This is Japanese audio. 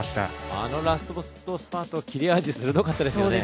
あのラストスパートは切れ味鋭かったですよね。